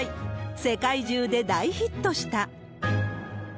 世界中で大ヒットした。